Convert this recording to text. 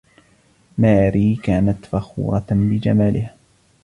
ماري كانت فخورة بجمالها.